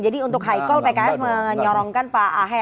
jadi untuk high call pks menyorongkan pak aher